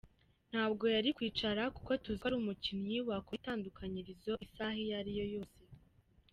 Ntabwo yari kwicara kuko tuziko ari umukinnyi wakora itandukanyirizo isaha iyo ari yo yose.